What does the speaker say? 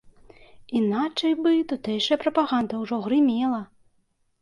Іначай бы тутэйшая прапаганда ўжо грымела.